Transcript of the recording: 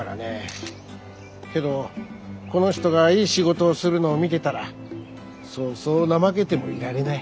けどこの人がいい仕事をするのを見てたらそうそう怠けてもいられない。